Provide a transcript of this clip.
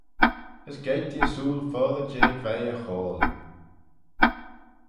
As geiyrt ee ersooyl foddey jeh veih e hoayll.